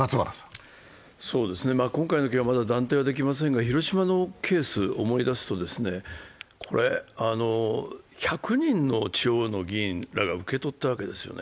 今回の件はまだ断定はできませんが、広島のケースを思い出すと、これ、１００人の地方の議員らが受け取ったわけですよね。